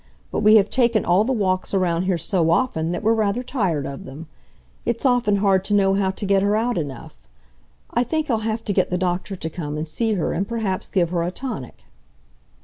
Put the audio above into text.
But we have taken all the walks around here so often that we're rather tired of them. It's often hard to know how to get her out enough. I think I'll have to get the doctor to come and see her and perhaps give her a tonic."